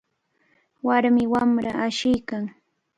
Warmi wamra asiykan.